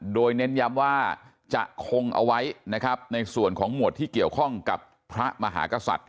โดยเน้นย้ำว่าจะคงเอาไว้ในส่วนของหมวดที่เกี่ยวข้องกับพระมหากษัตริย์